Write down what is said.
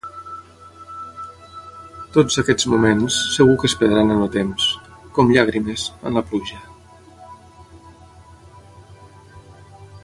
Tots aquests moments segur que es perdran en el temps, com llàgrimes en la pluja.